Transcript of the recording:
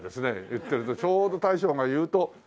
言ってるとちょうど大将が言うと鳴く。